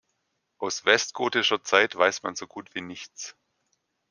Aus westgotischer Zeit weiß man so gut wie nichts.